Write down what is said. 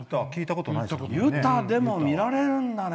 ユタでも見られるんだね。